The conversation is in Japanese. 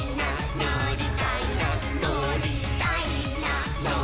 「のりたいなのりたいな」